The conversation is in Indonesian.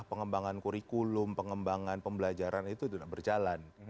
pengembangan kurikulum pengembangan pembelajaran itu berjalan